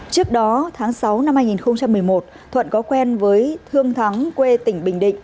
trước đó tháng sáu năm hai nghìn một mươi một thuận có quen với thương thắng quê tỉnh bình định